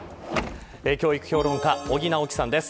教育評論家、尾木直樹さんです。